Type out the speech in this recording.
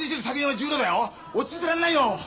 落ち着いてらんないよ！